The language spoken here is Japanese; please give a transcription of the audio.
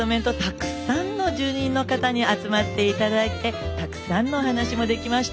たくさんの住人の方に集まって頂いてたくさんのお話もできました。